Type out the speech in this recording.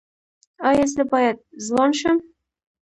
ایا زه باید ځوان شم؟